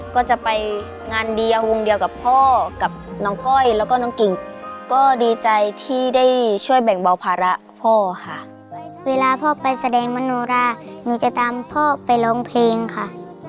ก็จะไปงานเดียววงเดียวกับพ่อกับน้องก้อยแล้วก็น้องกิ่งก็ดีใจที่ได้ช่วยแบ่งเบาภาระพ่อค่ะเวลาพ่อไปแสดงมโนราหนูจะตามพ่อไปร้องเพลงค่ะ